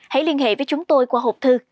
hãy liên hệ với chúng tôi qua hộp thư